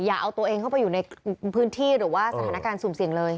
อย่าเอาตัวเองไปอยู่ในพื้นที่หรือสถานการณ์สูงสิ่งเลย